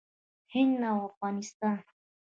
هند او افغانستان